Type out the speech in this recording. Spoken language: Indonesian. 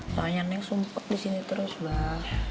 soalnya si neng sumpit disini terus abah